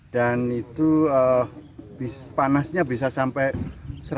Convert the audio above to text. dan itu panasnya bisa sampai seratus derajat lebih nah seperti itu